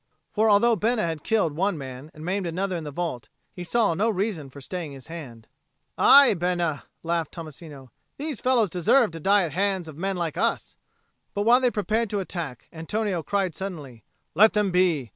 For although Bena had killed one man and maimed another in the vault, he saw no reason for staying his hand. "Aye, Bena," laughed Tommasino. "These fellows deserve to die at the hands of men like us." But while they prepared to attack, Antonio cried suddenly, "Let them be!